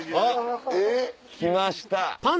えっ？来ました。